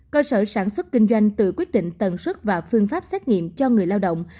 cơ sở sản xuất kinh doanh tự quyết định tầng xuất và phương pháp xét nghiệm cho người lao động